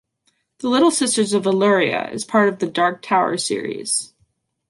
"The Little Sisters of Eluria" is part of "The Dark Tower" series.